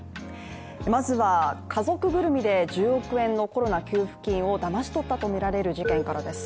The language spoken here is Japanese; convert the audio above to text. まずは家族ぐるみで１０億円のコロナ給付金をだまし取ったとみられる事件からです。